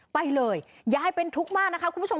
ไปเลยยายเป็นทุกข์มากนะคะคุณผู้ชม